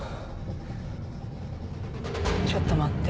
ちょっと待って。